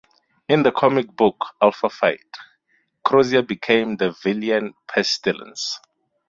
In the comic book "Alpha Flight", Crozier became the villain Pestilence.